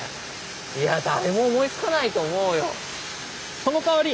いや誰も思いつかないと思うよ。